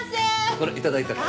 これ頂いたから。